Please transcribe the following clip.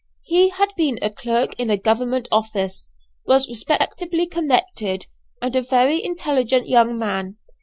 He had been a clerk in a government office, was respectably connected, and a very intelligent young man.